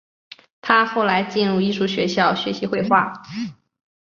他后来进入艺术学校学习绘画。